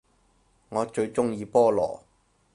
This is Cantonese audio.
我最鍾意菠蘿